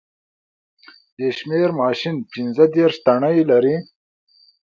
د شمېر ماشین پینځه دېرش تڼۍ لري